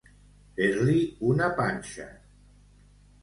Fer-li una panxa.